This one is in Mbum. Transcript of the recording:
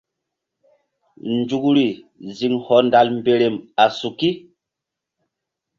Nzukri ziŋ hɔndal mberem a suki.